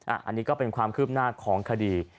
อันนี้ก็เป็นความคืบหน้าของคดี